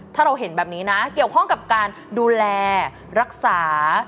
ถ้าเราเห็นแบบนี้นะเกี่ยวข้องกับการดูแลรักษา